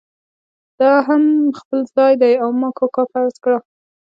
دا هم خپل ځای دی او ما کاکا فرض کړه.